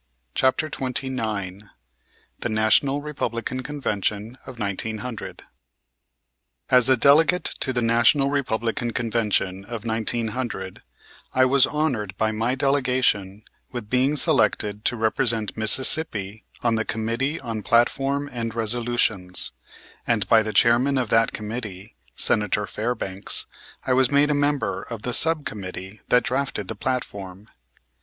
CHAPTER XXIX THE NATIONAL REPUBLICAN CONVENTION OF 1900 As a delegate to the National Republican Convention of 1900, I was honored by my delegation with being selected to represent Mississippi on the Committee on Platform and Resolutions; and by the chairman of that committee, Senator Fairbanks, I was made a member of the sub committee that drafted the platform.